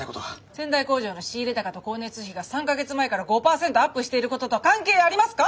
仙台工場の仕入れ高と光熱費が３か月前から５％アップしていることと関係ありますか？